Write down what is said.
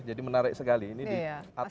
jadi menarik sekali ini di atas bukit